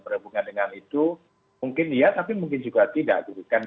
berhubungan dengan itu mungkin iya tapi mungkin juga tidak gitu kan